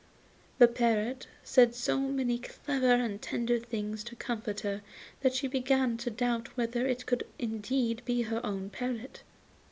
The parrot said so many clever and tender things to comfort her that she began to doubt whether this could indeed be her own parrot.